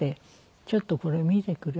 「ちょっとこれ見てくれない？」